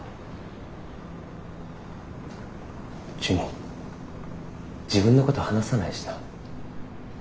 ジュニ自分のこと話さないしな。